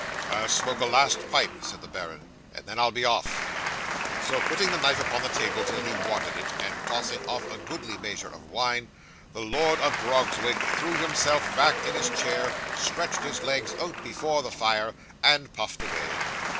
'"I'll smoke a last pipe," said the baron, "and then I'll be off." So, putting the knife upon the table till he wanted it, and tossing off a goodly measure of wine, the Lord of Grogzwig threw himself back in his chair, stretched his legs out before the fire, and puffed away.